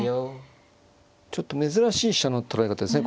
ちょっと珍しい飛車の取られ方ですね。